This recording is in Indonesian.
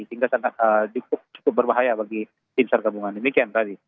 sehingga sangat cukup berbahaya bagi tim sargabungan demikian tadi